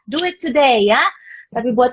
do it today ya tapi buat